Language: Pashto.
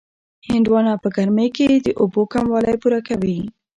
هندواڼه په ګرمۍ کې د اوبو کموالی پوره کوي.